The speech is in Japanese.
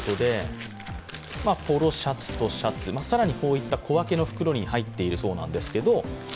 ポロシャツとシャツ、更にこういった小分けの袋に入っているそうです。